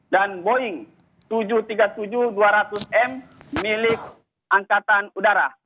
dan boeing tujuh ratus tiga puluh tujuh dua ratus m milik angkatan udara